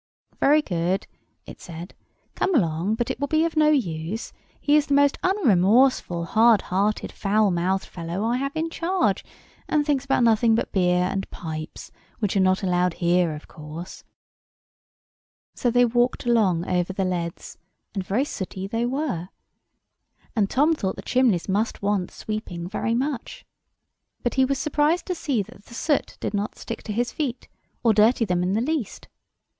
"Very good," it said. "Come along: but it will be of no use. He is the most unremorseful, hard hearted, foul mouthed fellow I have in charge; and thinks about nothing but beer and pipes, which are not allowed here, of course." So they walked along over the leads, and very sooty they were, and Tom thought the chimneys must want sweeping very much. But he was surprised to see that the soot did not stick to his feet, or dirty them in the least.